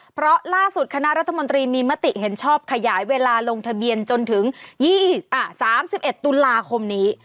เพราะล่าสุดคณะรัฐมนตรีมีมติเห็นชอบขยายเวลาลงทะเบียนจนถึง๓๑ตุลาคมนี้